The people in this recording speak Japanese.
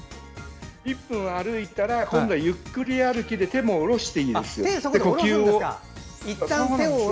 １分歩いたら、今度はゆっくり歩きで手も下ろしていいです。